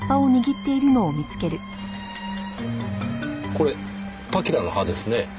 これパキラの葉ですね。